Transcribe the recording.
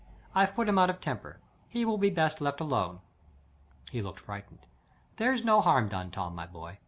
I've put him out of temper. He will be best left alone." He looked frightened. "There's no harm done, Tom, my boy.